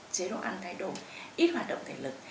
chế độ ăn thay đổi ít hoạt động thể lực